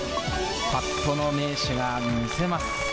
パットの名手が見せます。